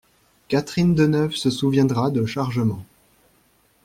Catherine Deneuve se souviendra de chargements.